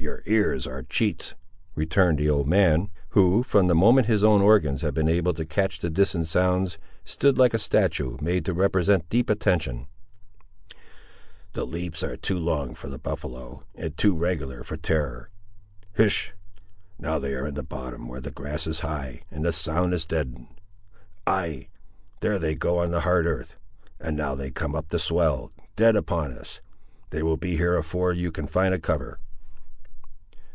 "Your ears are cheats," returned the old man, who, from the moment his own organs had been able to catch the distant sounds, stood like a statue made to represent deep attention:—"the leaps are too long for the buffaloe, and too regular for terror. Hist! now they are in a bottom where the grass is high, and the sound is deadened! Ay, there they go on the hard earth! And now they come up the swell, dead upon us; they will be here afore you can find a cover!"